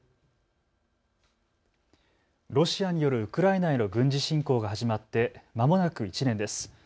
ロシアによるウクライナへの軍事侵攻が始まってまもなく１年です。